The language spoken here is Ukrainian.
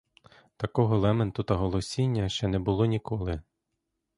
Такого лементу та голосіння ще не було ніколи!